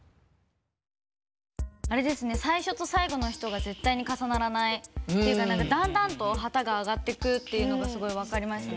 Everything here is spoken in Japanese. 最初と最後の人が絶対に重ならないっていうかだんだんと旗が上がってくっていうのがすごい分かりましたね。